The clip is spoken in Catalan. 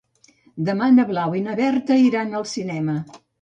Demà na Blau i na Berta iran al cinema.